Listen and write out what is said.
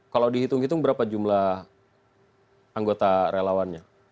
kalau dihitung hitung berapa jumlah anggota relawannya